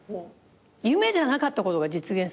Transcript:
夢じゃなかったことが実現するんだよ。